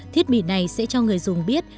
thiết bị này sẽ cho người dùng biết